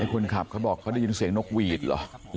คนขับเขาบอกเขาได้ยินเสียงนกหวีดเหรอ